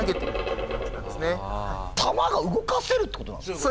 タマが動かせるってことなんですか？